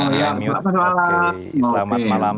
selamat malam selamat malam